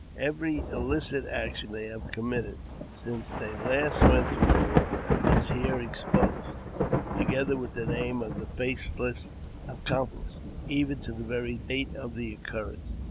Every illicit action they have com mitted since they last went to war is here exposed, together with the name of the faithless accomplice, even to the very date of the occurrence.